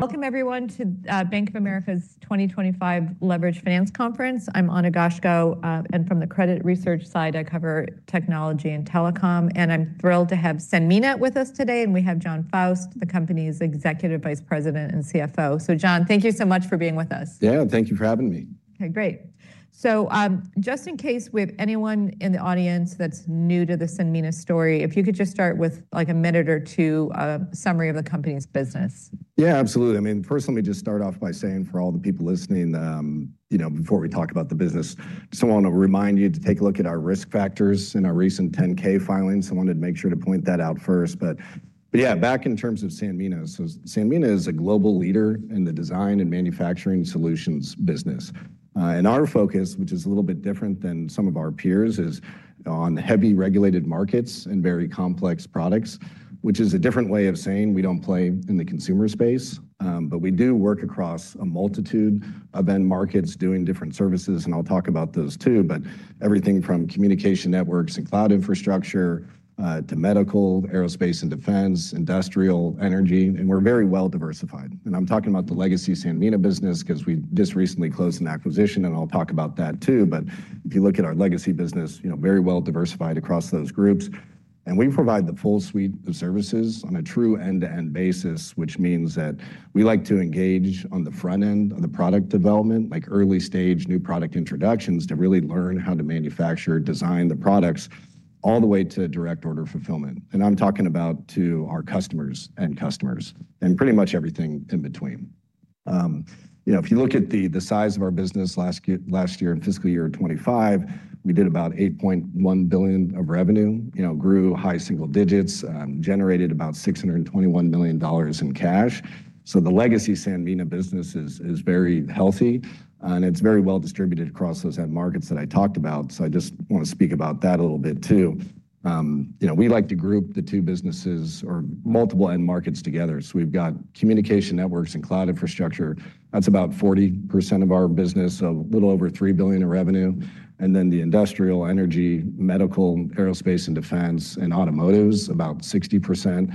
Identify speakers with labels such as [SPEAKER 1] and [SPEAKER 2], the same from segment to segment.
[SPEAKER 1] Welcome, everyone, to Bank of America's 2025 Leverage Finance Conference. I'm Ana Gasco, and from the credit research side, I cover technology and telecom, and I'm thrilled to have Sanmina with us today, and we have Jon Faust, the company's Executive Vice President and CFO, so Jon, thank you so much for being with us.
[SPEAKER 2] Yeah, thank you for having me.
[SPEAKER 1] Okay, great. So just in case we have anyone in the audience that's new to the Sanmina story, if you could just start with like a minute or two, a summary of the company's business.
[SPEAKER 2] Yeah, absolutely. I mean, first, let me just start off by saying for all the people listening, you know, before we talk about the business, I want to remind you to take a look at our risk factors in our recent 10-K filing. So I wanted to make sure to point that out first. But yeah, back in terms of Sanmina, so Sanmina is a global leader in the design and manufacturing solutions business. And our focus, which is a little bit different than some of our peers, is on heavy regulated markets and very complex products, which is a different way of saying we don't play in the consumer space, but we do work across a multitude of end markets doing different services. And I'll talk about those too, but everything from communication networks and cloud infrastructure to medical, aerospace and defense, industrial, energy. And we're very well diversified. And I'm talking about the legacy Sanmina business because we just recently closed an acquisition, and I'll talk about that too. But if you look at our legacy business, you know, very well diversified across those groups. And we provide the full suite of services on a true end-to-end basis, which means that we like to engage on the front end of the product development, like early stage new product introductions to really learn how to manufacture, design the products all the way to direct order fulfillment. And I'm talking about to our customers and customers and pretty much everything in between. You know, if you look at the size of our business last year in fiscal year 2025, we did about $8.1 billion of revenue, you know, grew high single digits, generated about $621 million in cash. The legacy Sanmina business is very healthy, and it's very well distributed across those end markets that I talked about. I just want to speak about that a little bit too. You know, we like to group the two businesses or multiple end markets together. We've got communication networks and cloud infrastructure. That's about 40% of our business, a little over $3 billion in revenue. Then the industrial, energy, medical, aerospace and defense, and automotives, about 60%.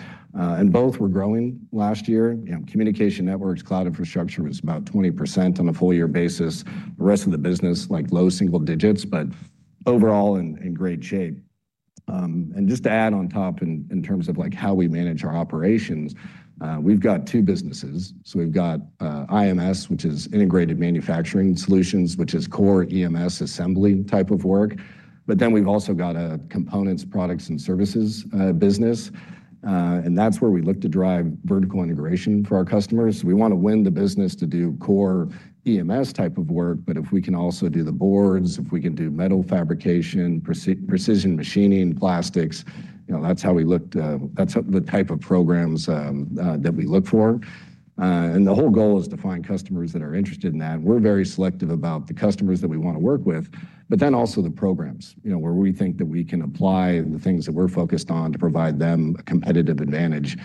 [SPEAKER 2] Both were growing last year. You know, communication networks, cloud infrastructure was about 20% on a full year basis. The rest of the business, like low single digits, but overall in great shape. Just to add on top in terms of like how we manage our operations, we've got two businesses. So we've got IMS, which is integrated manufacturing solutions, which is core EMS assembly type of work. But then we've also got a components, products, and services business. And that's where we look to drive vertical integration for our customers. We want to win the business to do core EMS type of work, but if we can also do the boards, if we can do metal fabrication, precision machining, plastics, you know, that's how we look to, that's the type of programs that we look for. And the whole goal is to find customers that are interested in that. We're very selective about the customers that we want to work with, but then also the programs, you know, where we think that we can apply the things that we're focused on to provide them a competitive advantage.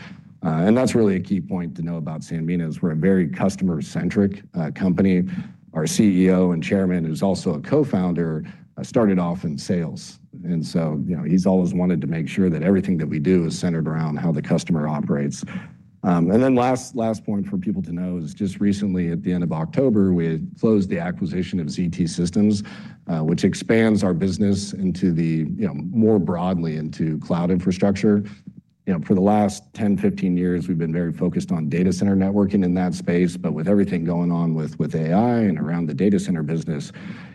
[SPEAKER 2] And that's really a key point to know about Sanmina is we're a very customer-centric company. Our CEO and Chairman, who's also a co-founder, started off in sales. And so, you know, he's always wanted to make sure that everything that we do is centered around how the customer operates. And then last point for people to know is just recently at the end of October, we closed the acquisition of ZT Systems, which expands our business into the, you know, more broadly into cloud infrastructure. You know, for the last 10, 15 years, we've been very focused on data center networking in that space, but with everything going on with AI and around the data center business,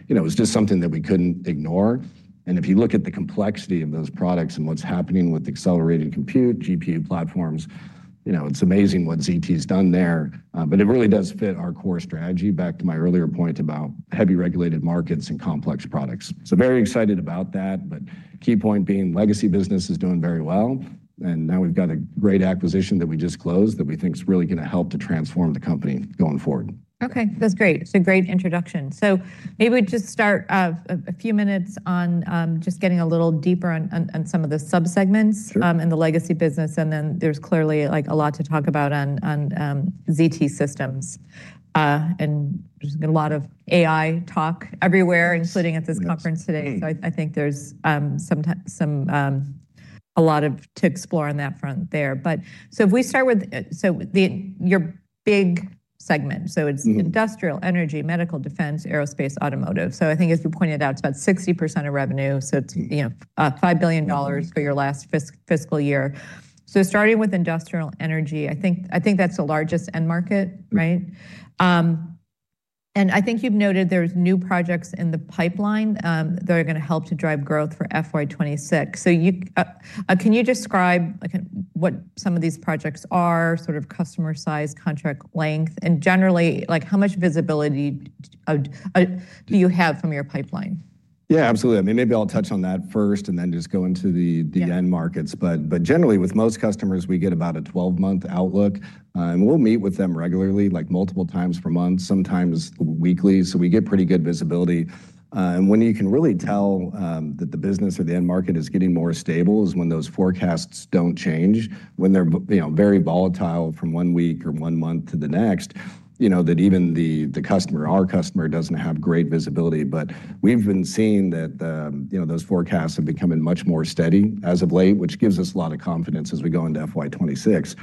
[SPEAKER 2] you know, it was just something that we couldn't ignore. And if you look at the complexity of those products and what's happening with accelerated compute, GPU platforms, you know, it's amazing what ZT has done there, but it really does fit our core strategy. Back to my earlier point about heavily regulated markets and complex products, so very excited about that, but key point being legacy business is doing very well, and now we've got a great acquisition that we just closed that we think is really going to help to transform the company going forward.
[SPEAKER 1] Okay, that's great. It's a great introduction. So maybe we just start a few minutes on just getting a little deeper on some of the subsegments in the legacy business. And then there's clearly like a lot to talk about on ZT Systems. And there's a lot of AI talk everywhere, including at this conference today. So I think there's a lot to explore on that front there. But so if we start with, so your big segment, so it's industrial, energy, medical, defense, aerospace, automotive. So I think as you pointed out, it's about 60% of revenue. So it's, you know, $5 billion for your last fiscal year. So starting with industrial energy, I think that's the largest end market, right? And I think you've noted there's new projects in the pipeline that are going to help to drive growth for FY26. So can you describe what some of these projects are, sort of customer size, contract length, and generally like how much visibility do you have from your pipeline?
[SPEAKER 2] Yeah, absolutely. I mean, maybe I'll touch on that first and then just go into the end markets. But generally with most customers, we get about a 12-month outlook. And we'll meet with them regularly, like multiple times per month, sometimes weekly. So we get pretty good visibility. And when you can really tell that the business or the end market is getting more stable is when those forecasts don't change, when they're very volatile from one week or one month to the next, you know, that even the customer, our customer doesn't have great visibility. But we've been seeing that, you know, those forecasts have become much more steady as of late, which gives us a lot of confidence as we go into FY26.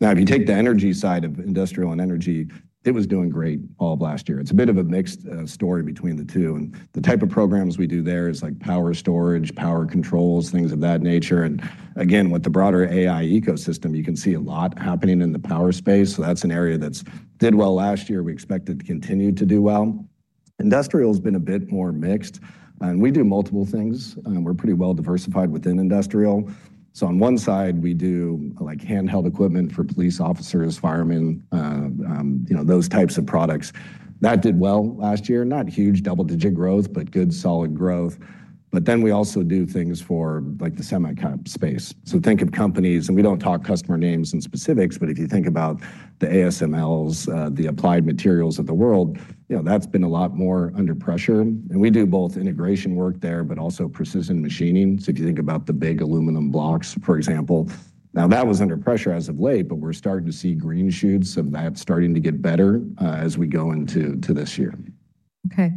[SPEAKER 2] Now, if you take the energy side of industrial and energy, it was doing great all of last year. It's a bit of a mixed story between the two, and the type of programs we do there is like power storage, power controls, things of that nature, and again, with the broader AI ecosystem, you can see a lot happening in the power space, so that's an area that did well last year. We expect it to continue to do well. Industrial has been a bit more mixed, and we do multiple things. We're pretty well diversified within industrial, so on one side, we do like handheld equipment for police officers, firemen, you know, those types of products. That did well last year. Not huge double-digit growth, but good solid growth, but then we also do things for like the semiconductor space. So think of companies, and we don't talk customer names and specifics, but if you think about the ASMLs, the Applied Materials of the world, you know, that's been a lot more under pressure. And we do both integration work there, but also precision machining. So if you think about the big aluminum blocks, for example, now that was under pressure as of late, but we're starting to see green shoots of that starting to get better as we go into this year.
[SPEAKER 1] Okay.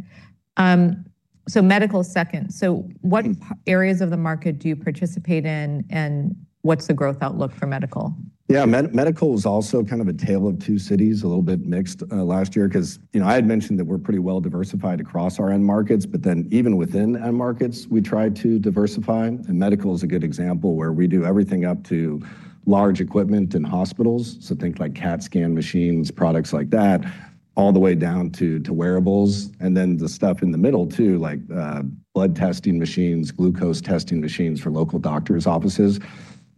[SPEAKER 1] So, medical second. So, what areas of the market do you participate in and what's the growth outlook for medical?
[SPEAKER 2] Yeah, medical is also kind of a tale of two cities, a little bit mixed last year because, you know, I had mentioned that we're pretty well diversified across our end markets, but then even within end markets, we try to diversify. Medical is a good example where we do everything up to large equipment and hospitals. So think like CT scan machines, products like that, all the way down to wearables. Then the stuff in the middle too, like blood testing machines, glucose testing machines for local doctors' offices.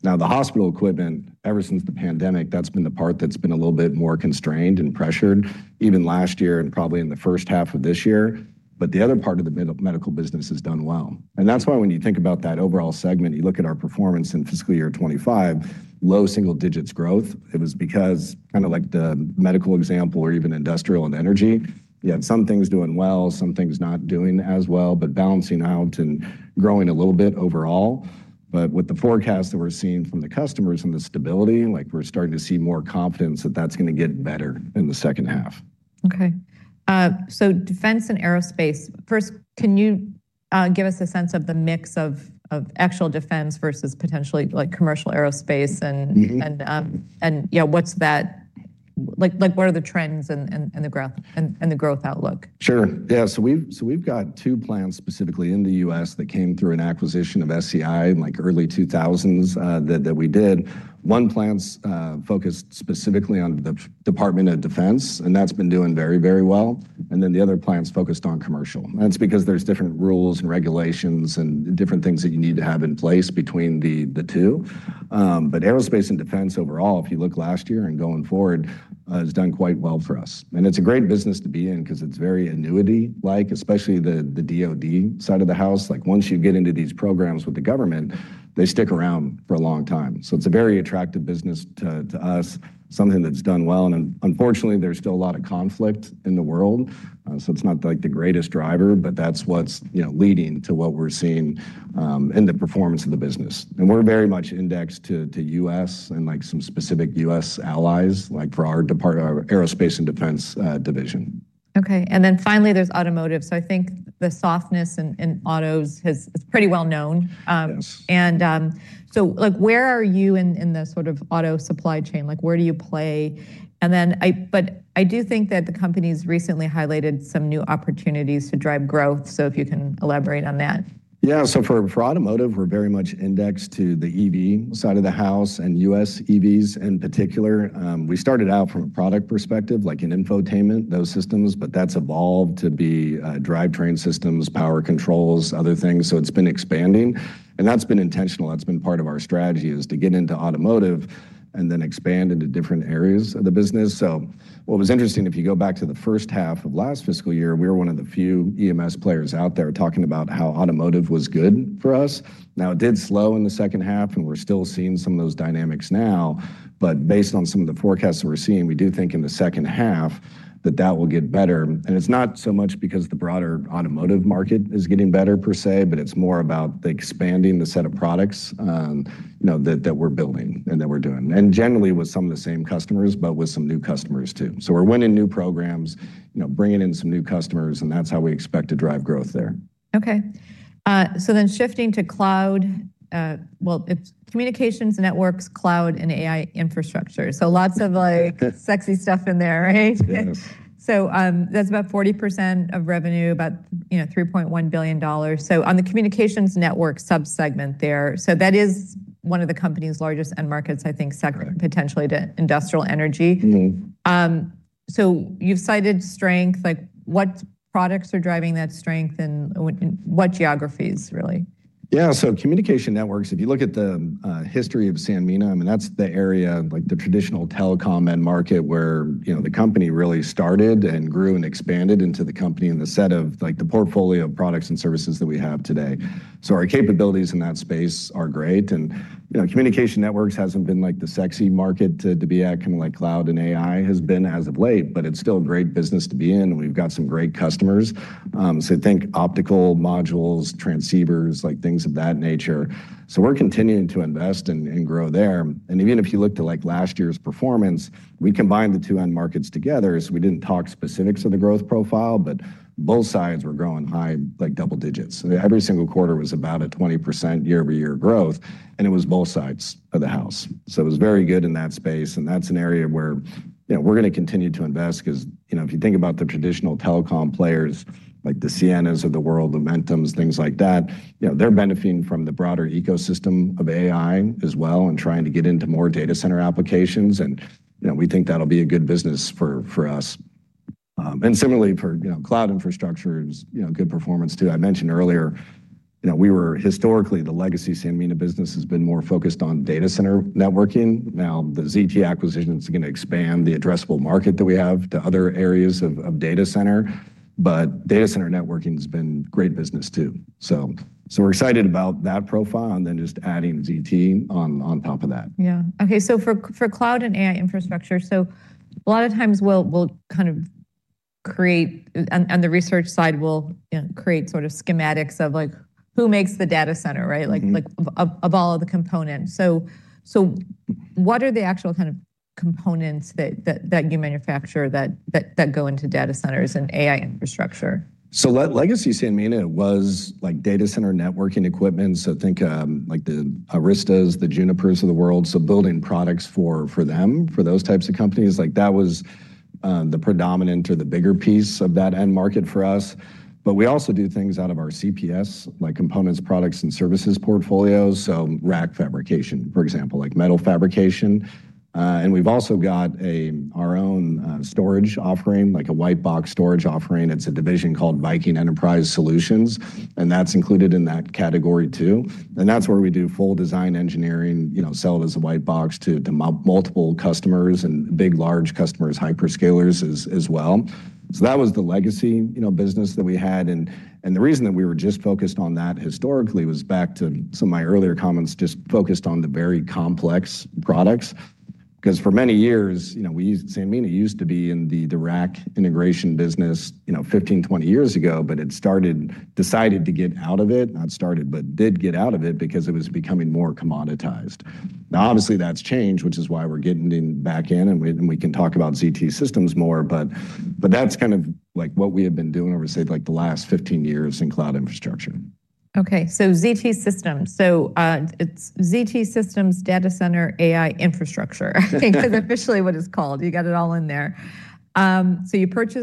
[SPEAKER 2] Now the hospital equipment, ever since the pandemic, that's been the part that's been a little bit more constrained and pressured, even last year and probably in the first half of this year. But the other part of the medical business has done well. And that's why when you think about that overall segment, you look at our performance in fiscal year 2025, low single digits growth. It was because kind of like the medical example or even industrial and energy, you had some things doing well, some things not doing as well, but balancing out and growing a little bit overall. But with the forecast that we're seeing from the customers and the stability, like we're starting to see more confidence that that's going to get better in the second half.
[SPEAKER 1] Okay. So defense and aerospace, first, can you give us a sense of the mix of actual defense versus potentially like commercial aerospace and, you know, what's that, like what are the trends and the growth outlook?
[SPEAKER 2] Sure. Yeah. So we've got two plants specifically in the U.S. that came through an acquisition of SCI in like early 2000s that we did. One plant's focused specifically on the U.S. Department of Defense, and that's been doing very, very well. And then the other plant's focused on commercial. And that's because there's different rules and regulations and different things that you need to have in place between the two. But aerospace and defense overall, if you look last year and going forward, has done quite well for us. And it's a great business to be in because it's very annuity-like, especially the DoD side of the house. Like once you get into these programs with the government, they stick around for a long time. So it's a very attractive business to us, something that's done well. And unfortunately, there's still a lot of conflict in the world. So it's not like the greatest driver, but that's what's, you know, leading to what we're seeing in the performance of the business. And we're very much indexed to U.S. and like some specific U.S. allies, like for our aerospace and defense division.
[SPEAKER 1] Okay. And then finally, there's automotive. So I think the softness in autos is pretty well known. And so like where are you in the sort of auto supply chain? Like where do you play? And then, but I do think that the company's recently highlighted some new opportunities to drive growth. So if you can elaborate on that.
[SPEAKER 2] Yeah. So for automotive, we're very much indexed to the EV side of the house and U.S. EVs in particular. We started out from a product perspective, like in infotainment, those systems, but that's evolved to be drivetrain systems, power controls, other things. So it's been expanding. And that's been intentional. That's been part of our strategy is to get into automotive and then expand into different areas of the business. So what was interesting, if you go back to the first half of last fiscal year, we were one of the few EMS players out there talking about how automotive was good for us. Now it did slow in the second half, and we're still seeing some of those dynamics now. But based on some of the forecasts that we're seeing, we do think in the second half that that will get better. And it's not so much because the broader automotive market is getting better per se, but it's more about expanding the set of products, you know, that we're building and that we're doing. And generally with some of the same customers, but with some new customers too. So we're winning new programs, you know, bringing in some new customers, and that's how we expect to drive growth there.
[SPEAKER 1] Okay. So then, shifting to cloud, well, it's communications, networks, cloud, and AI infrastructure. So lots of like sexy stuff in there, right?
[SPEAKER 2] Yes.
[SPEAKER 1] So that's about 40% of revenue, about, you know, $3.1 billion. So on the communications network subsegment there, so that is one of the company's largest end markets, I think, potentially to industrial energy. So you've cited strength, like what products are driving that strength and what geographies really?
[SPEAKER 2] Yeah. So communication networks, if you look at the history of Sanmina, I mean, that's the area, like the traditional telecom end market where, you know, the company really started and grew and expanded into the company and the set of like the portfolio of products and services that we have today. So our capabilities in that space are great. And, you know, communication networks hasn't been like the sexy market to be at, kind of like cloud and AI has been as of late, but it's still a great business to be in. And we've got some great customers. So think optical modules, transceivers, like things of that nature. So we're continuing to invest and grow there. And even if you look to like last year's performance, we combined the two end markets together. So we didn't talk specifics of the growth profile, but both sides were growing high, like double digits. So every single quarter was about a 20% year-over-year growth, and it was both sides of the house. So it was very good in that space. And that's an area where, you know, we're going to continue to invest because, you know, if you think about the traditional telecom players, like the Cienas of the world, Lumentums, things like that, you know, they're benefiting from the broader ecosystem of AI as well and trying to get into more data center applications. And, you know, we think that'll be a good business for us. And similarly for, you know, cloud infrastructure is, you know, good performance too. I mentioned earlier, you know, we were historically the legacy Sanmina business has been more focused on data center networking. Now the ZT acquisition is going to expand the addressable market that we have to other areas of data center, but data center networking has been great business too, so we're excited about that profile and then just adding ZT on top of that.
[SPEAKER 1] Yeah. Okay. So for cloud and AI infrastructure, so a lot of times we'll kind of create, and the research side will create sort of schematics of like who makes the data center, right? Like of all of the components. So what are the actual kind of components that you manufacture that go into data centers and AI infrastructure?
[SPEAKER 2] So legacy Sanmina was like data center networking equipment. So think like the Aristas, the Junipers of the world. So building products for them, for those types of companies, like that was the predominant or the bigger piece of that end market for us. But we also do things out of our CPS, like components, products, and services portfolios. So rack fabrication, for example, like metal fabrication. And we've also got our own storage offering, like a white box storage offering. It's a division called Viking Enterprise Solutions. And that's included in that category too. And that's where we do full design engineering, you know, sell it as a white box to multiple customers and big large customers, hyperscalers as well. So that was the legacy business that we had. The reason that we were just focused on that historically was back to some of my earlier comments just focused on the very complex products. Because for many years, you know, Sanmina used to be in the rack integration business, you know, 15, 20 years ago, but it started, decided to get out of it. Not started, but did get out of it because it was becoming more commoditized. Now, obviously that's changed, which is why we're getting back in and we can talk about ZT Systems more, but that's kind of like what we have been doing over, say, like the last 15 years in cloud infrastructure.
[SPEAKER 1] Okay. So ZT Systems. So it's ZT Systems, data center, AI infrastructure. I think that's officially what it's called. You got it all in there. So you purchased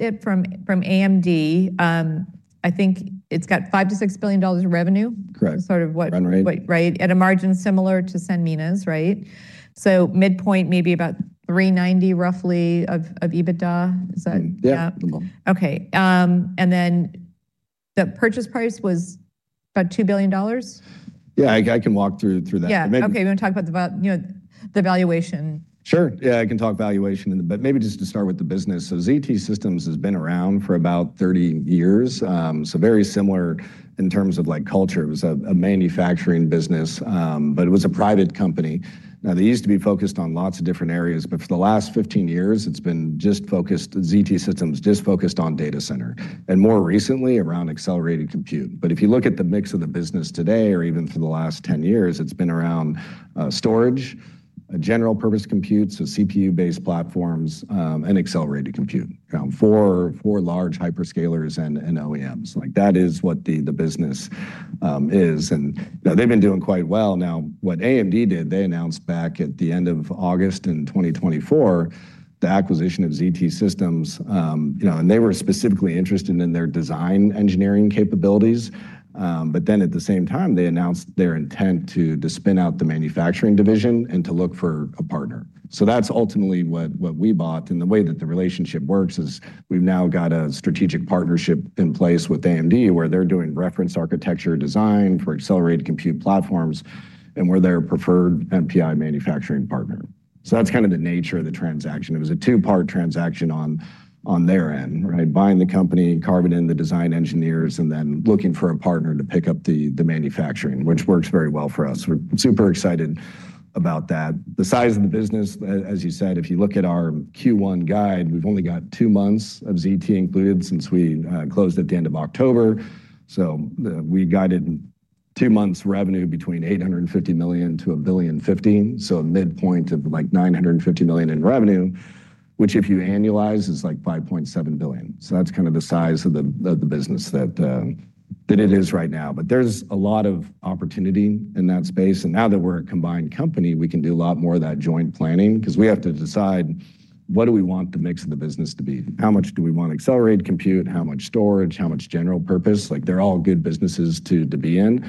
[SPEAKER 1] it from AMD. I think it's got $5 billion-$6 billion of revenue.
[SPEAKER 2] Correct.
[SPEAKER 1] Sort of what, right? At a margin similar to Sanmina's, right? So midpoint maybe about 390 roughly of EBITDA. Is that?
[SPEAKER 2] Yeah.
[SPEAKER 1] Okay. And then the purchase price was about $2 billion?
[SPEAKER 2] Yeah. I can walk through that.
[SPEAKER 1] Yeah. Okay. We're going to talk about, you know, the valuation.
[SPEAKER 2] Sure. Yeah. I can talk valuation, but maybe just to start with the business. So ZT Systems has been around for about 30 years. So very similar in terms of like culture. It was a manufacturing business, but it was a private company. Now they used to be focused on lots of different areas, but for the last 15 years, it's been just focused. ZT Systems just focused on data center and more recently around accelerated compute. But if you look at the mix of the business today or even for the last 10 years, it's been around storage, general purpose compute, so CPU-based platforms and accelerated compute, for large hyperscalers and OEMs. Like that is what the business is. And they've been doing quite well. Now what AMD did, they announced back at the end of August in 2024, the acquisition of ZT Systems, you know, and they were specifically interested in their design engineering capabilities. But then at the same time, they announced their intent to spin out the manufacturing division and to look for a partner. So that's ultimately what we bought. And the way that the relationship works is we've now got a strategic partnership in place with AMD where they're doing reference architecture design for accelerated compute platforms and we're their preferred NPI manufacturing partner. So that's kind of the nature of the transaction. It was a two-part transaction on their end, right? Buying the company, carving in the design engineers, and then looking for a partner to pick up the manufacturing, which works very well for us. We're super excited about that. The size of the business, as you said, if you look at our Q1 guide, we've only got two months of ZT included since we closed at the end of October, so we guided two months revenue between $850 million-$1.05 billion, so midpoint of like $950 million in revenue, which if you annualize is like $5.7 billion, so that's kind of the size of the business that it is right now, but there's a lot of opportunity in that space, and now that we're a combined company, we can do a lot more of that joint planning because we have to decide what do we want the mix of the business to be. How much do we want accelerated compute, how much storage, how much general purpose? Like they're all good businesses to be in,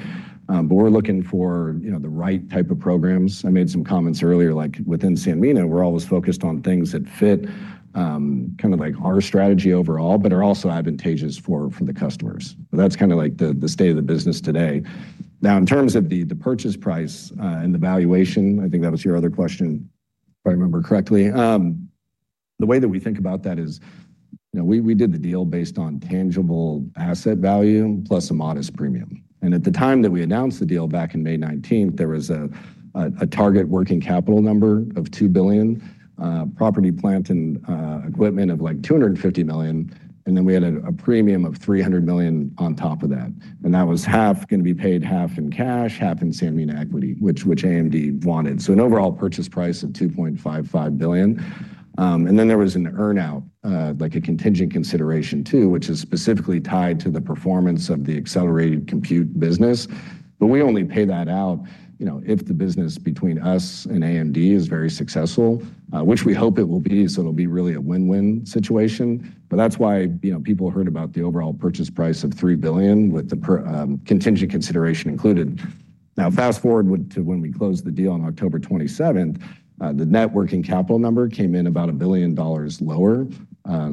[SPEAKER 2] but we're looking for, you know, the right type of programs. I made some comments earlier, like within Sanmina, we're always focused on things that fit kind of like our strategy overall, but are also advantageous for the customers. That's kind of like the state of the business today. Now in terms of the purchase price and the valuation, I think that was your other question, if I remember correctly. The way that we think about that is, you know, we did the deal based on tangible asset value plus a modest premium. And at the time that we announced the deal back in May 19th, there was a target working capital number of $2 billion, property plant and equipment of like $250 million. And then we had a premium of $300 million on top of that. And that was half going to be paid, half in cash, half in Sanmina equity, which AMD wanted. So an overall purchase price of $2.55 billion. And then there was an earnout, like a contingent consideration too, which is specifically tied to the performance of the accelerated compute business. But we only pay that out, you know, if the business between us and AMD is very successful, which we hope it will be. So it'll be really a win-win situation. But that's why, you know, people heard about the overall purchase price of $3 billion with the contingent consideration included. Now fast forward to when we closed the deal on October 27th, the net working capital number came in about $1 billion lower.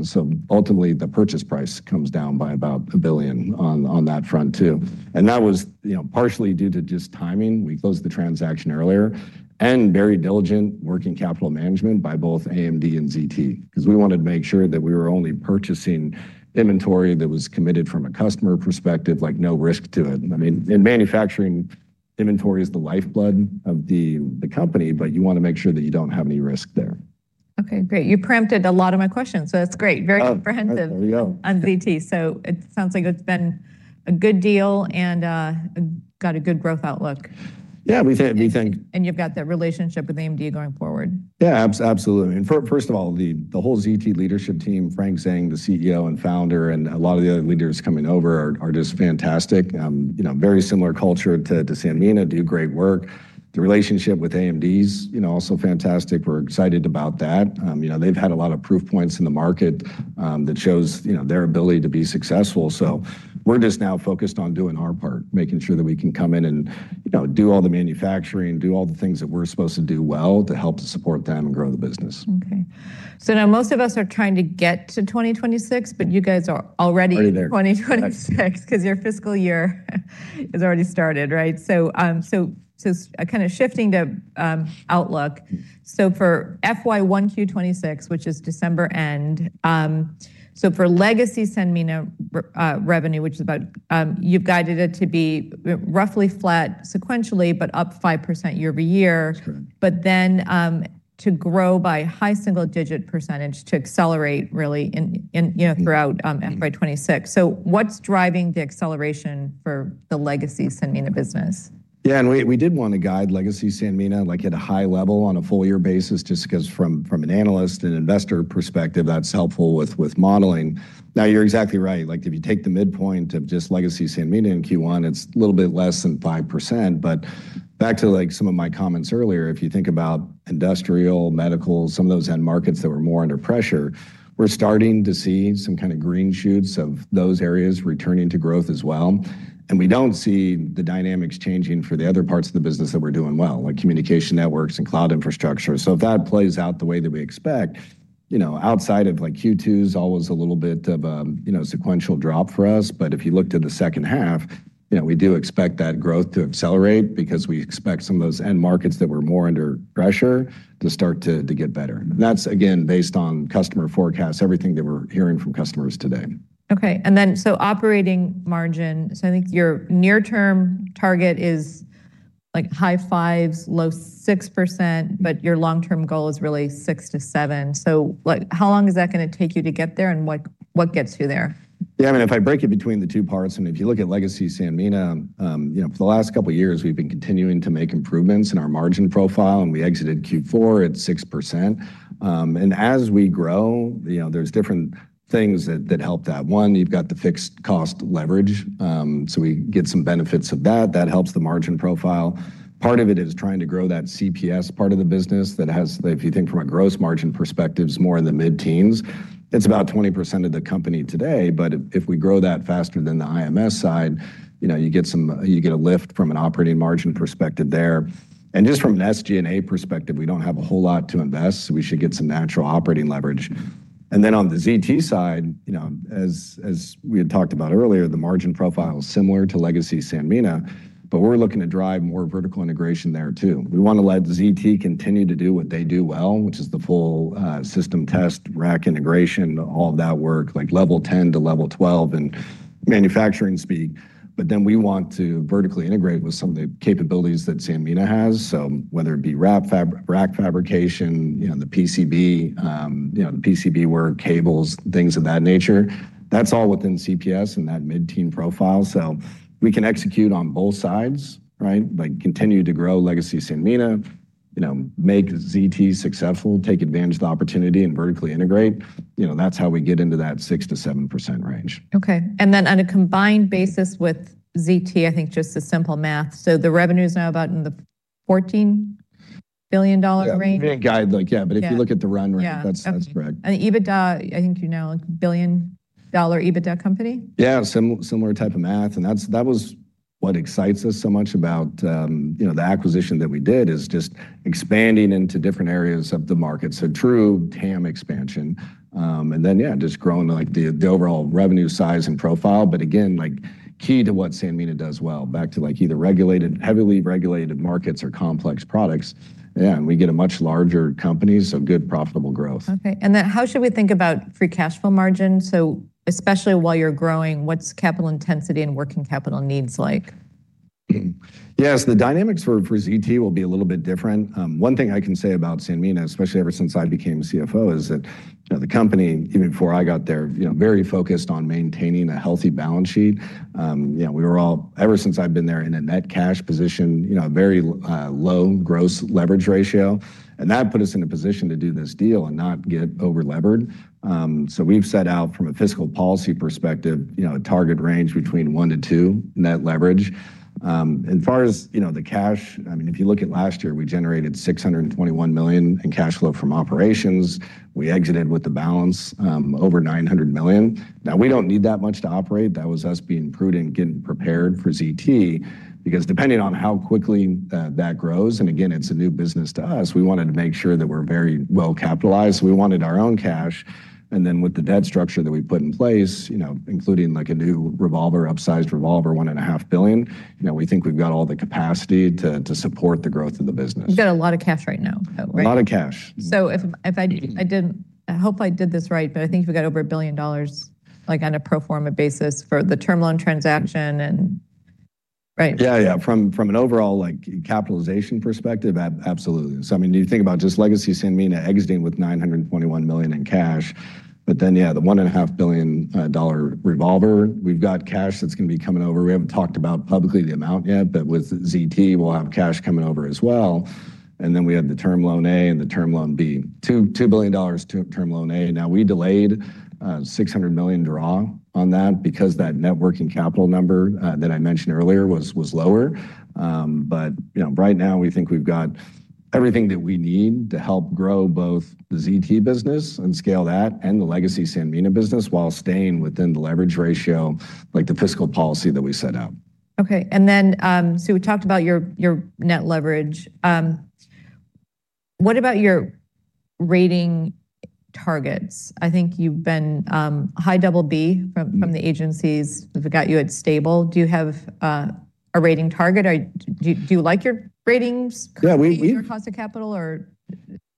[SPEAKER 2] So ultimately the purchase price comes down by about $1 billion on that front too. And that was, you know, partially due to just timing. We closed the transaction earlier and very diligent working capital management by both AMD and ZT because we wanted to make sure that we were only purchasing inventory that was committed from a customer perspective, like no risk to it. I mean, in manufacturing, inventory is the lifeblood of the company, but you want to make sure that you don't have any risk there.
[SPEAKER 1] Okay. Great. You prompted a lot of my questions. So that's great. Very comprehensive on ZT. So it sounds like it's been a good deal and got a good growth outlook.
[SPEAKER 2] Yeah. We think.
[SPEAKER 1] You've got that relationship with AMD going forward.
[SPEAKER 2] Yeah. Absolutely. And first of all, the whole ZT leadership team, Frank Zhang, the CEO and founder, and a lot of the other leaders coming over are just fantastic. You know, very similar culture to Sanmina, do great work. The relationship with AMD is, you know, also fantastic. We're excited about that. You know, they've had a lot of proof points in the market that shows, you know, their ability to be successful. So we're just now focused on doing our part, making sure that we can come in and, you know, do all the manufacturing, do all the things that we're supposed to do well to help to support them and grow the business.
[SPEAKER 1] Okay. So now most of us are trying to get to 2026, but you guys are already 2026 because your fiscal year has already started, right? So kind of shifting to outlook. So for FY1Q26, which is December end, so for legacy Sanmina revenue, which is about, you've guided it to be roughly flat sequentially, but up 5% year over year, but then to grow by high single digit percentage to accelerate really in, you know, throughout FY26. So what's driving the acceleration for the legacy Sanmina business?
[SPEAKER 2] Yeah. And we did want to guide legacy Sanmina like at a high level on a full year basis just because from an analyst and investor perspective, that's helpful with modeling. Now you're exactly right. Like if you take the midpoint of just legacy Sanmina in Q1, it's a little bit less than 5%. But back to like some of my comments earlier, if you think about industrial, medical, some of those end markets that were more under pressure, we're starting to see some kind of green shoots of those areas returning to growth as well. And we don't see the dynamics changing for the other parts of the business that we're doing well, like communication networks and cloud infrastructure. So if that plays out the way that we expect, you know, outside of like Q2 is always a little bit of a, you know, sequential drop for us. But if you look to the second half, you know, we do expect that growth to accelerate because we expect some of those end markets that were more under pressure to start to get better. And that's again based on customer forecasts, everything that we're hearing from customers today.
[SPEAKER 1] Okay. And then so operating margin, so I think your near-term target is like high 5s, low 6%, but your long-term goal is really 6%-7%. So how long is that going to take you to get there and what gets you there?
[SPEAKER 2] Yeah. I mean, if I break it between the two parts and if you look at legacy Sanmina, you know, for the last couple of years, we've been continuing to make improvements in our margin profile and we exited Q4 at 6%. And as we grow, you know, there's different things that help that. One, you've got the fixed cost leverage. So we get some benefits of that. That helps the margin profile. Part of it is trying to grow that CPS part of the business that has, if you think from a gross margin perspective, is more in the mid-teens. It's about 20% of the company today, but if we grow that faster than the IMS side, you know, you get some, you get a lift from an operating margin perspective there. And just from an SG&A perspective, we don't have a whole lot to invest. So we should get some natural operating leverage. And then on the ZT side, you know, as we had talked about earlier, the margin profile is similar to legacy Sanmina, but we're looking to drive more vertical integration there too. We want to let ZT continue to do what they do well, which is the full system test rack integration, all of that work, like level 10 to level 12 and manufacturing speed. But then we want to vertically integrate with some of the capabilities that Sanmina has. So whether it be rack fabrication, you know, the PCB, you know, the PCB work, cables, things of that nature, that's all within CPS and that mid-teens profile. So we can execute on both sides, right? Like continue to grow legacy Sanmina, you know, make ZT successful, take advantage of the opportunity and vertically integrate. You know, that's how we get into that 6%-7% range.
[SPEAKER 1] Okay. And then on a combined basis with ZT, I think just the simple math. So the revenue is now about in the $14 billion range.
[SPEAKER 2] Yeah. We didn't guide like, yeah, but if you look at the run rate, that's correct.
[SPEAKER 1] EBITDA, I think you know, billion dollar EBITDA company.
[SPEAKER 2] Yeah. Similar type of math. And that was what excites us so much about, you know, the acquisition that we did is just expanding into different areas of the market. So true TAM expansion. And then, yeah, just growing like the overall revenue size and profile. But again, like key to what Sanmina does well, back to like either regulated, heavily regulated markets or complex products. Yeah. And we get a much larger company. So good profitable growth.
[SPEAKER 1] Okay, and then how should we think about free cash flow margin, so especially while you're growing, what's capital intensity and working capital needs like?
[SPEAKER 2] Yes. The dynamics for ZT will be a little bit different. One thing I can say about Sanmina, especially ever since I became CFO, is that, you know, the company, even before I got there, you know, very focused on maintaining a healthy balance sheet. You know, we were all, ever since I've been there in a net cash position, you know, very low gross leverage ratio. And that put us in a position to do this deal and not get over-levered. So we've set out from a fiscal policy perspective, you know, a target range between 1-2 net leverage. As far as, you know, the cash, I mean, if you look at last year, we generated $621 million in cash flow from operations. We exited with the balance over $900 million. Now we don't need that much to operate. That was us being prudent and getting prepared for ZT because depending on how quickly that grows, and again, it's a new business to us, we wanted to make sure that we're very well capitalized, so we wanted our own cash, and then with the debt structure that we put in place, you know, including like a new revolver, upsized revolver, $1.5 billion, you know, we think we've got all the capacity to support the growth of the business.
[SPEAKER 1] You've got a lot of cash right now, right?
[SPEAKER 2] A lot of cash.
[SPEAKER 1] So if I didn't, I hope I did this right, but I think you've got over $1 billion like on a pro forma basis for the term loan transaction, right.
[SPEAKER 2] Yeah. Yeah. From an overall like capitalization perspective, absolutely. So I mean, you think about just legacy Sanmina exiting with $921 million in cash, but then, yeah, the $1.5 billion revolver, we've got cash that's going to be coming over. We haven't talked about publicly the amount yet, but with ZT, we'll have cash coming over as well. And then we have the term loan A and the term loan B, $2 billion term loan A. Now we delayed a $600 million draw on that because that working capital number that I mentioned earlier was lower. But, you know, right now we think we've got everything that we need to help grow both the ZT business and scale that and the legacy Sanmina business while staying within the leverage ratio, like the financial policy that we set out.
[SPEAKER 1] Okay. And then, so we talked about your net leverage. What about your rating targets? I think you've been high double B from the agencies. We've got you at stable. Do you have a rating target? Do you like your ratings compared to your cost of capital or?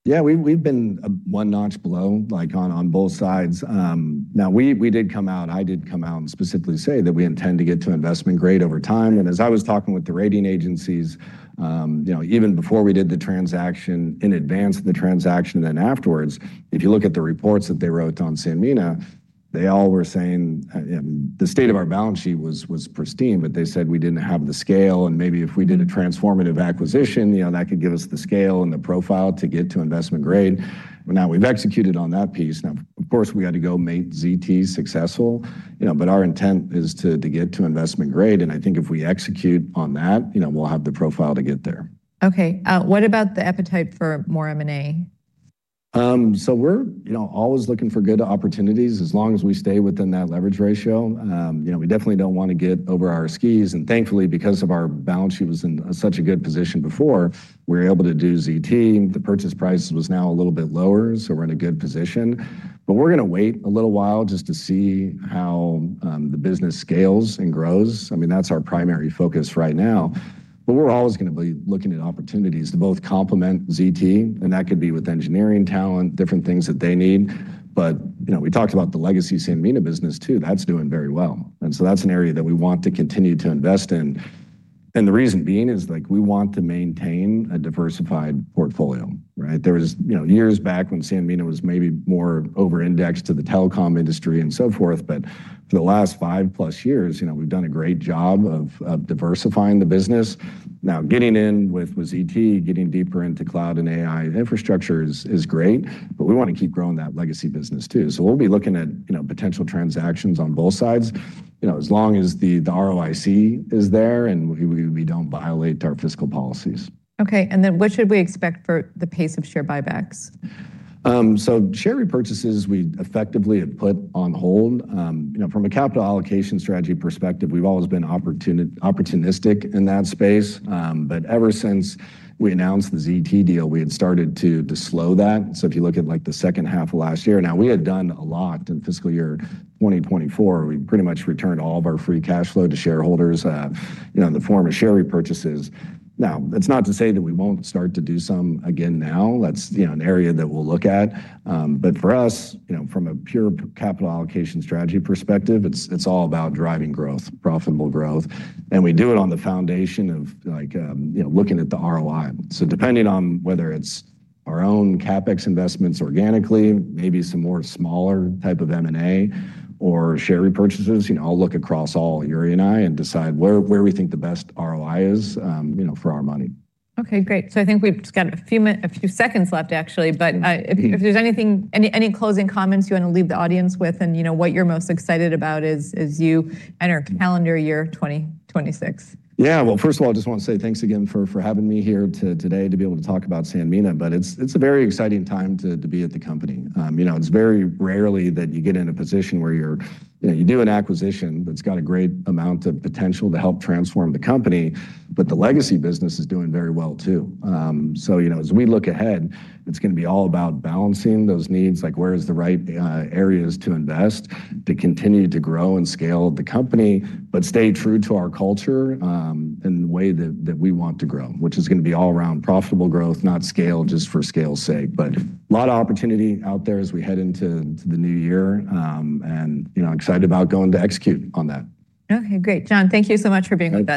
[SPEAKER 2] Yeah. We've been one notch below, like on both sides. Now we did come out, I did come out and specifically say that we intend to get to investment grade over time. And as I was talking with the rating agencies, you know, even before we did the transaction, in advance of the transaction and then afterwards, if you look at the reports that they wrote on Sanmina, they all were saying, you know, the state of our balance sheet was pristine, but they said we didn't have the scale. And maybe if we did a transformative acquisition, you know, that could give us the scale and the profile to get to investment grade. Now we've executed on that piece. Now, of course, we got to go make ZT successful, you know, but our intent is to get to investment grade. I think if we execute on that, you know, we'll have the profile to get there.
[SPEAKER 1] Okay. What about the appetite for more M&A?
[SPEAKER 2] So we're, you know, always looking for good opportunities as long as we stay within that leverage ratio. You know, we definitely don't want to get over our skis. And thankfully, because of our balance sheet was in such a good position before, we're able to do ZT. The purchase price was now a little bit lower. So we're in a good position. But we're going to wait a little while just to see how the business scales and grows. I mean, that's our primary focus right now. But we're always going to be looking at opportunities to both complement ZT, and that could be with engineering talent, different things that they need. But, you know, we talked about the legacy Sanmina business too. That's doing very well. And so that's an area that we want to continue to invest in. The reason being is like we want to maintain a diversified portfolio, right? There was, you know, years back when Sanmina was maybe more over-indexed to the telecom industry and so forth. But for the last five plus years, you know, we've done a great job of diversifying the business. Now getting in with ZT, getting deeper into cloud and AI infrastructure is great, but we want to keep growing that legacy business too. So we'll be looking at, you know, potential transactions on both sides, you know, as long as the ROIC is there and we don't violate our fiscal policies.
[SPEAKER 1] Okay. And then what should we expect for the pace of share buybacks?
[SPEAKER 2] Share repurchases we effectively have put on hold. You know, from a capital allocation strategy perspective, we've always been opportunistic in that space. But ever since we announced the ZT deal, we had started to slow that. If you look at like the second half of last year, now we had done a lot in fiscal year 2024. We pretty much returned all of our free cash flow to shareholders, you know, in the form of share repurchases. Now, that's not to say that we won't start to do some again now. That's, you know, an area that we'll look at. But for us, you know, from a pure capital allocation strategy perspective, it's all about driving growth, profitable growth. We do it on the foundation of like, you know, looking at the ROI. So, depending on whether it's our own CapEx investments organically, maybe some more smaller type of M&A or share repurchases, you know, I'll look across all, Yuri and I, and decide where we think the best ROI is, you know, for our money.
[SPEAKER 1] Okay. Great. So I think we've got a few seconds left, actually, but if there's anything, any closing comments you want to leave the audience with and, you know, what you're most excited about as you enter our calendar year 2026.
[SPEAKER 2] Yeah. Well, first of all, I just want to say thanks again for having me here today to be able to talk about Sanmina, but it's a very exciting time to be at the company. You know, it's very rarely that you get in a position where you're, you know, you do an acquisition that's got a great amount of potential to help transform the company, but the legacy business is doing very well too. So, you know, as we look ahead, it's going to be all about balancing those needs, like where are the right areas to invest to continue to grow and scale the company, but stay true to our culture and the way that we want to grow, which is going to be all-around profitable growth, not scale just for scale's sake. But a lot of opportunity out there as we head into the new year. You know, I'm excited about going to execute on that.
[SPEAKER 1] Okay. Great. John, thank you so much for being with us.